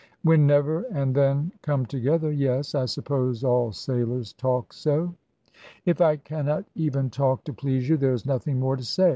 "When never and then come together yes. I suppose all sailors talk so." "If I cannot even talk to please you, there is nothing more to say.